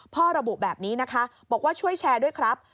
ระบุแบบนี้นะคะบอกว่าช่วยแชร์ด้วยครับ